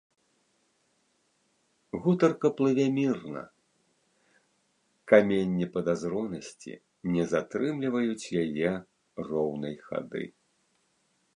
Гутарка плыве мірна, каменні падазронасці не затрымліваюць яе роўнай хады.